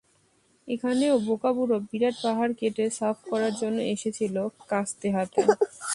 এখানেও বোকা বুড়ো বিরাট পাহাড় কেটে সাফ করার জন্য এসেছিল কাস্তে হাতে।